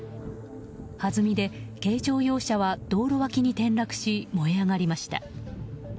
はずみで軽乗用車は道路脇に転落し燃え上がりました。